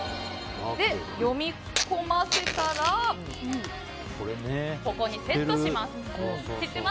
読み込ませたらここにセットします。